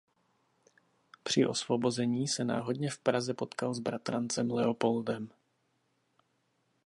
Při osvobození se náhodně v Praze potkal s bratrancem Leopoldem.